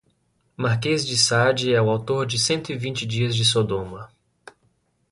Marquês de Sade é o autor de cento e vinte dias de sodoma